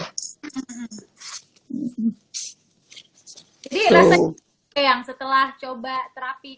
jadi rasanya eyang setelah coba terapi